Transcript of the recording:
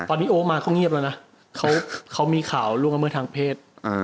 ตอนนี้โอ๊คมาเขาเงียบแล้วนะเขามีข่าวล่วงละเมิดทางเพศ